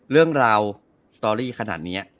เรื่องราวสตอรี่ขนาดนี้